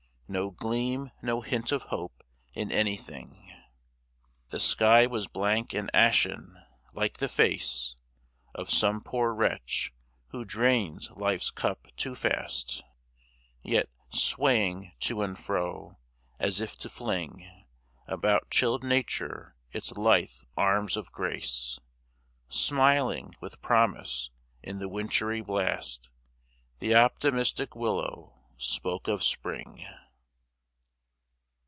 No gleam, no hint of hope in anything. The sky was blank and ashen, like the face Of some poor wretch who drains life's cup too fast Yet, swaying to and fro, as if to fling About chilled Nature its lithe arms of grace, Smiling with promise in the wintry blast, The optimistic Willow spoke of spring.